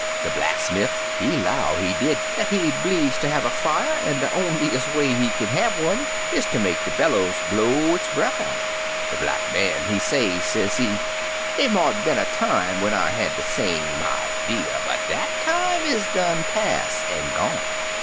"De blacksmiff he 'low, he did, dat he bleeze ter have a fier, an' de onliest way he kin have one is ter make de bellus blow its breff on it. De Black Man, he say, sezee, *Dey mought been a time when I had de same idee, but dat time is done past an' gone.